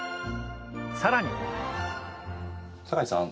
さらに酒井さん